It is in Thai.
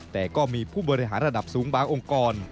แต่ก็มีผู้บริหารระดับสูงบางองค์กร